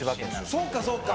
そうかそうか。